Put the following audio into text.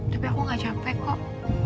tapi aku gak capek kok